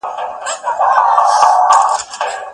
ساینس پوهنځۍ بې دلیله نه تړل کیږي.